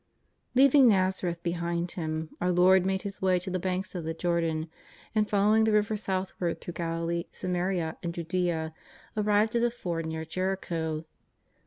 Leaving ISTazaretli behind Him, our Lord made His way to the banks of the Jordan, and following the river southward through Galilee, Samaria and Judea, arrived at a ford near Jericho.